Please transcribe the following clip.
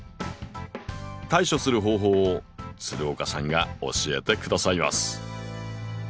対処する方法を岡さんが教えてくださいます。